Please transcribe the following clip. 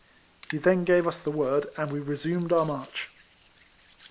He then gave us the word, and we resumed our march.